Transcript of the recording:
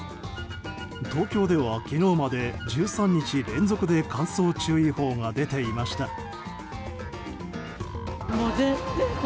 東京では昨日まで１３日連続で乾燥注意報が出ていました。